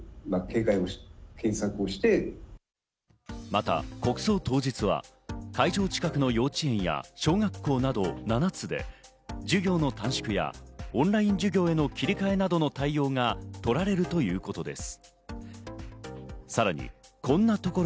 また国葬当日は会場近くの幼稚園や小学校など７つで授業の短縮やオンライン授業への切り替えなどの対応が取られるということです。